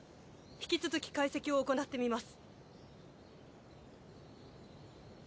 引き続き解析を行ってみます。